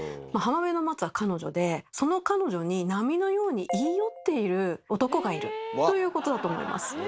浜辺の松は彼女でその彼女に波のように言い寄っている男がいるということだと思います。